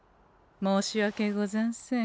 申し訳ござんせん。